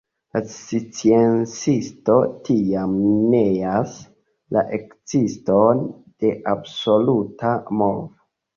La sciencisto tiam neas la ekziston de absoluta movo.